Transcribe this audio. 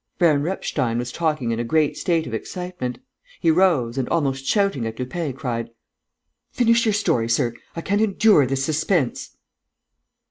Baron Repstein was talking in a great state of excitement. He rose and, almost shouting at Lupin, cried: "Finish your story, sir! I can't endure this suspense!"